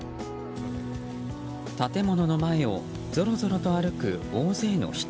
建物の前をぞろぞろと歩く大勢の人。